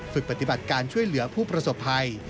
ปฏิบัติการช่วยเหลือผู้ประสบภัย